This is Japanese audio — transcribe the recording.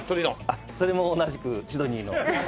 あっそれも同じくシドニーの。